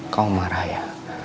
kamu marah ya